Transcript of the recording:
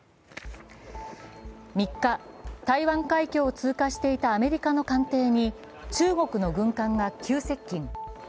３日、台湾海峡を通過していたアメリカの艦艇に中国の軍艦が急接近。